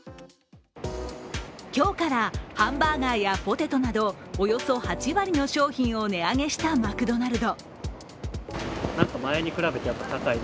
今日からハンバーガーやポテトなどおよそ８割の商品を値上げしたマクドナルド。